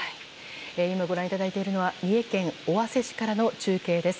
今、ご覧いただいているのは三重県尾鷲市からの中継です。